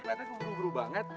keliatan buru buru banget